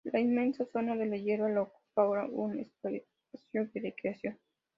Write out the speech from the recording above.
La inmensa zona de hierba la ocupa ahora un espacio de recreación.